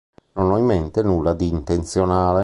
Non ho in mente nulla di intenzionale.